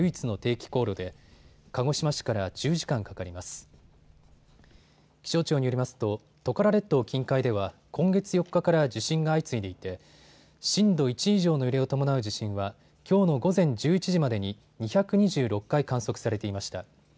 気象庁によりますとトカラ列島近海では今月４日から地震が相次いでいて、震度１以上の揺れを伴う地震はきょうの午前１１時までに２２６回観測されていました。